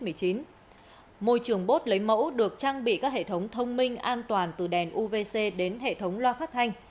môi trường bốt lấy mẫu được trang bị các hệ thống thông minh an toàn từ đèn uvc đến hệ thống loa phát thanh